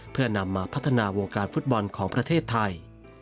เพื่อนำมาพัฒนาวงการฟุตบอลของประเทศไทย